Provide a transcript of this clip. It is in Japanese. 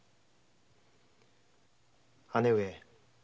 姉上。